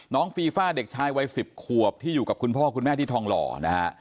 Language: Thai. ฟีฟ่าเด็กชายวัย๑๐ขวบที่อยู่กับคุณพ่อคุณแม่ที่ทองหล่อนะฮะ